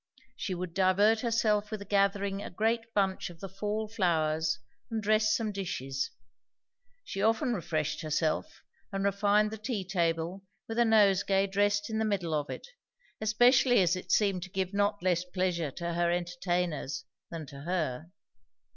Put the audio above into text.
She would divert herself with gathering a great bunch of the fall flowers and dress some dishes. She often refreshed herself and refined the tea table with a nosegay dressed in the middle of it, especially as it seemed to give not less pleasure to her entertainers than to her.